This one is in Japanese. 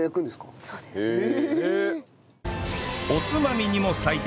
おつまみにも最適！